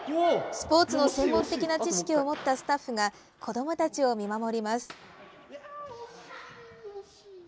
スポーツの専門的な知識を持ったスタッフが子どもたちを見守ります。